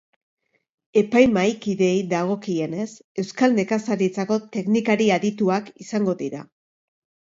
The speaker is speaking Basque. Epaimahaikideei dagokienez, euskal nekazaritzako teknikari adituak izango dira.